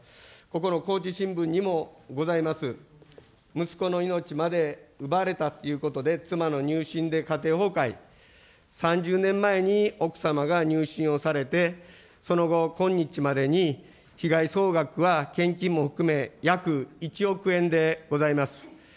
ここの高知新聞にもございます、息子の命まで奪われたということで、妻の入信で家庭崩壊、３０年前に奥様が入信をされて、その後、今日までに被害総額は献金も含め、約１億円でございます。